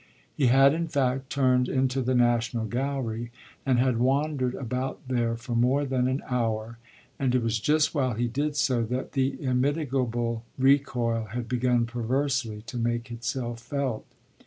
He had in fact turned into the National Gallery and had wandered about there for more than an hour, and it was just while he did so that the immitigable recoil had begun perversely to make itself felt.